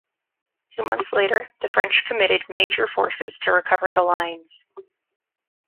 Two months later, the French committed major forces to recover the Lines.